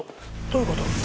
どういうこと？